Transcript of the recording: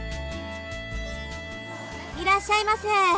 いらっしゃいませ！